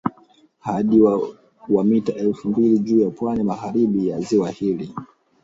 Hadi wa mita elfu mbili juu ya pwani ya magharibi ya ziwa hili